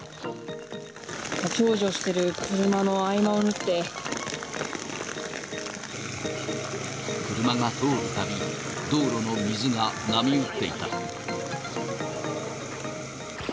立往生している車の合間を縫車が通るたび、道路の水が波打っていた。